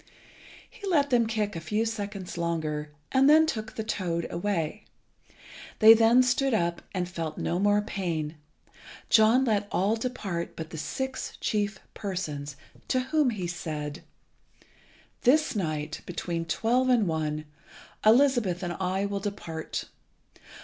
He let them kick a few seconds longer, and then took the toad away. They then stood up and felt no more pain. John let all depart but the six chief persons, to whom he said "This night, between twelve and one, Elizabeth and I will depart.